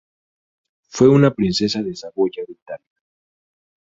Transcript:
Fue una princesa de Saboya de Italia.